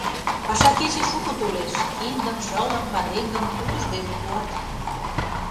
Пашакече шуко толеш, киндым, шылым, пареҥгым утыждене пуат.